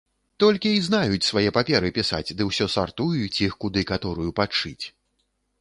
Толькі й знаюць свае паперы пісаць ды ўсё сартуюць іх, куды каторую падшыць.